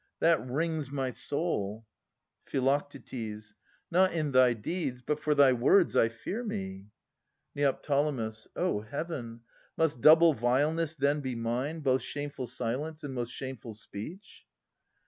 That wrings my soul. Phi. Not in thy deeds. But for thy words, I fear me ! Neo. O Heaven ! Must double vileness then be mine Both shameful silence and most shameful speech?